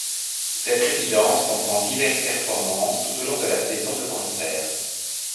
Cette résidence comprend diverses performances tout au long de la saison de concerts.